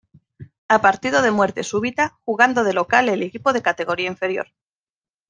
A partido de muerte súbita, jugando de local el equipo de categoría inferior.